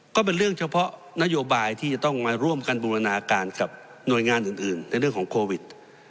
ก็เป็นเรื่องเฉพาะนโยบายที่จะต้องมาร่วมกันบูรณาการกับหน่วยงานอื่นในเรื่องของโควิด